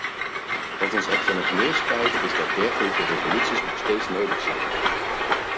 Wat ons echter nog meer spijt is dat dergelijke resoluties nog steeds nodig zijn.